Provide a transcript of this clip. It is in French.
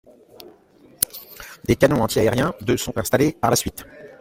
Des canons anti-aériens de sont installés par la suite.